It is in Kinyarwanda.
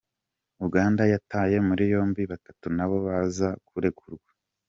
Uganda yataye muri yombi batatu nabo baza kurekurwa.